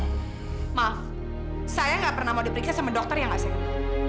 maaf saya nggak pernah mau diperiksa sama dokter ya nggak sayang